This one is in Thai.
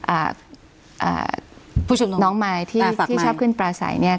อ่าอ่าน้องมายที่ชอบขึ้นปราศัยเนี่ย